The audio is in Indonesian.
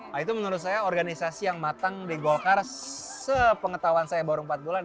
nah itu menurut saya organisasi yang matang di golkar sepengetahuan saya baru empat bulan